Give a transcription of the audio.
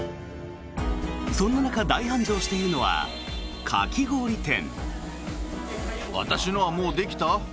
そんな中、大繁盛しているのはかき氷店。